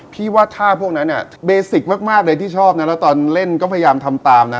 พี่ว่าของท่าพวกนั้นน่ะบริสิคมากเลยที่ชอบแล้วตอนเล่นก็พยายามวยธรรมตามนะ